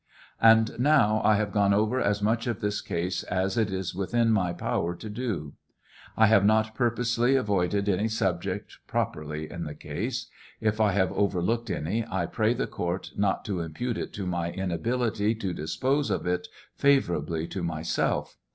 And now I have gone over as much of this case as it is within my power t( do. I have not purposely avoided any subject properly in the case; if I havf overlooked any I pray the court not to impute it to my inability to dispose o it favorably to myself.